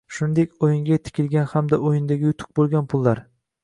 shuningdek o‘yinga tikilgan hamda o‘yindagi yutuq bo‘lgan pullar